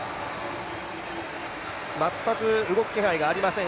全く動く気配がありません。